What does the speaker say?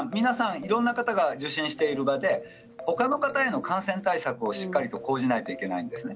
いろんな方が受診しているので他の方への感染対策をしっかりと講じないといけないんです。